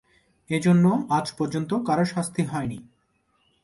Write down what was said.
এজন্য আজ পর্যন্ত কারো শাস্তি হয়নি।